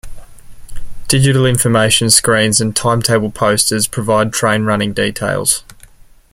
Digital information screens and timetable posters provide train running details.